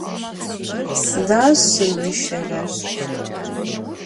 Sıda şşım ışerer?